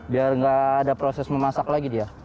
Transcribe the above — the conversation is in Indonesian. biar nggak ada proses memasak lagi dia